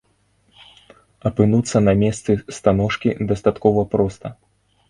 Апынуцца на месцы станожкі дастаткова проста.